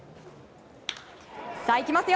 さあ、いきますよ。